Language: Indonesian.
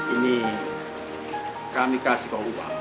ini kami kasih kau uang